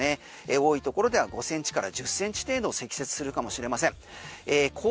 多いところでは５センチから１０センチ程度積雪するかもしれません。